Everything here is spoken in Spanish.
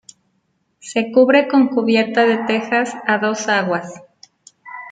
Se cubre con cubierta de tejas a dos aguas.